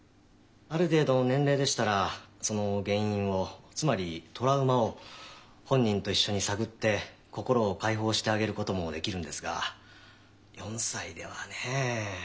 ある程度の年齢でしたらその原因をつまりトラウマを本人と一緒に探って心を解放してあげることもできるんですが４歳ではね。